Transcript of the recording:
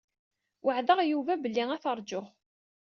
Weɛdeɣ Yuba belli ad t-rǧuɣ.